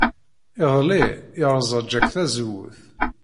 Iḍelli, yerẓa Jake tazewwut.